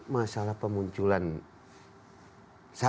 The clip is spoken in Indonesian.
masalah pemunculan saya dengan teman teman